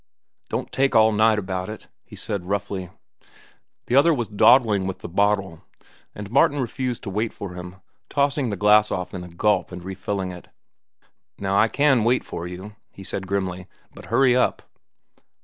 "Don't take all night about it," he said roughly. The other was dawdling with the bottle, and Martin refused to wait for him, tossing the glass off in a gulp and refilling it. "Now, I can wait for you," he said grimly; "but hurry up."